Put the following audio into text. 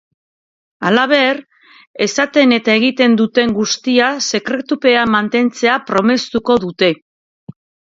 Halaber, esaten eta egiten duten guztia sekretupean mantentzea promestuko dute.